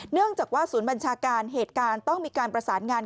เนื่องจากว่าศูนย์บัญชาการเหตุการณ์ต้องมีการประสานงาน